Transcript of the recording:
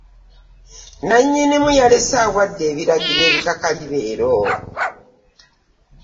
Nannyinimu yalese awadde ebiragiro ebikakali leero.